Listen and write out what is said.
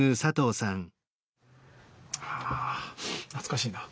あ懐かしいな。